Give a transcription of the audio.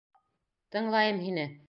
Тыңлайым һине.